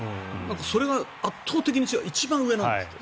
それが圧倒的に一番上なんだって。